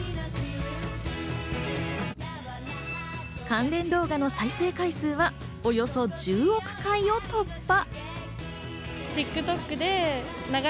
関連動画の再生回数はおよそ１０億回を突破。